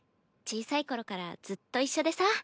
小さい頃からずっと一緒でさ。